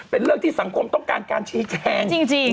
เป็นเรื่องที่สังคมต้องการการชี้แจงจริง